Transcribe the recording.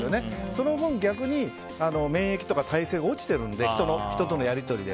その分、逆に免疫とか耐性が落ちてるので人とのやり取りで。